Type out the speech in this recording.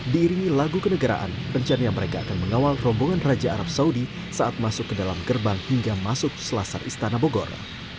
diiringi lagu kenegaraan rencana mereka akan mengawal rombongan raja arab saudi saat masuk ke dalam gerbang hingga masuk selasar istana bogor